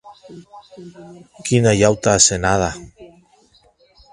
Quina auta asenada!